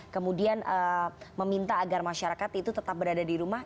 kemudian meminta agar masyarakat itu tetap berada di rumah